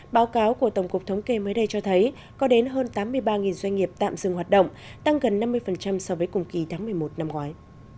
báo cáo của tổng cục thống kê mới đây cho thấy có đến hơn tám mươi ba doanh nghiệp tạm dừng hoạt động tăng gần năm mươi so với cùng kỳ tháng một mươi một năm ngoái